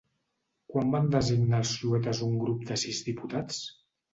Quan van designar els xuetes un grup de sis diputats?